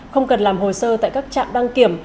không cần làm hồ sơ tại các trạm đăng kiểm